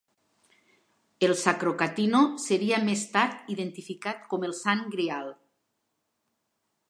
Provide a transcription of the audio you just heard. El "Sacro Catino" seria més tard identificat com el Sant Greal.